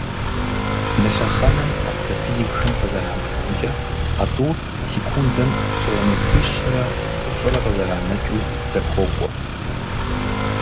Мы лъэхъэнэм, астрофизикхэм къызэрабжамкIэ, а тIур секундэм километри щэрэ плIыщIыр къызэранэкIыу зэхуокIуэ.